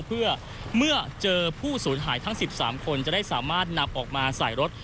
เพื่อเมื่อเจอผู้สูญหายทั้ง๑๓คนจะได้สามารถนำออกมาใส่รถ